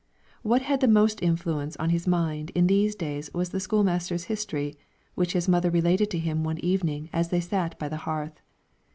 What had the most influence on his mind in these days was the school master's history, which his mother related to him one evening as they sat by the hearth.